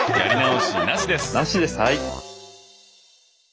なしですはい。